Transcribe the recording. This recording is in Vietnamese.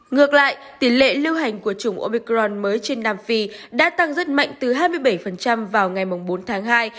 ngược lại tỷ lệ lưu hành của chủng opicron mới trên nam phi đã tăng rất mạnh từ hai mươi bảy vào ngày bốn tháng hai